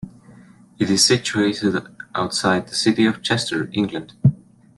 It is situated outside the city of Chester, England.